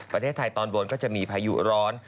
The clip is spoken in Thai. ประเทศไทยตอนบนก็จะมีพายุร้อน